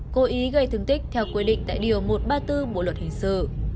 cố ý gây thương tích theo quy định tại điều một trăm ba mươi bốn bộ luật hình sự